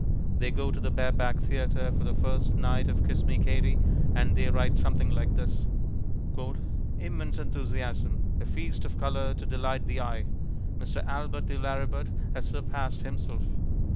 They go to the Bareback Theatre for the first night of Kiss Me, Katie, and they write something like this: "Immense enthusiasm.... A feast of colour to delight the eye. Mr. Albert de Lauributt has surpassed himself....